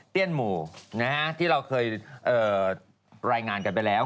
ี้ยนหมู่ที่เราเคยรายงานกันไปแล้ว